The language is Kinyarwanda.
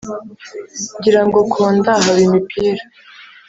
ngira ngo ku nda haba imipira!